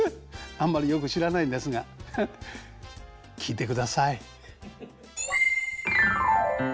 あんまりよく知らないんですが聴いてください。